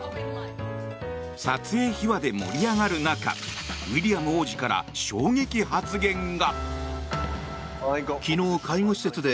撮影秘話で盛り上がる中ウィリアム王子から衝撃発言が。